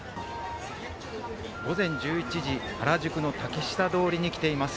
午前１１時、原宿の竹下通りに来ています。